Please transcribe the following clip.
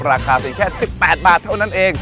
ราคาเพียงแค่๑๘บาทเท่านั้นเอง